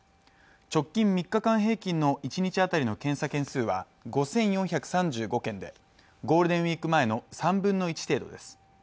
直近３日間平均の一日当たりの検査件数は５４３５件でゴールデンウイーク前の３分の１程度です。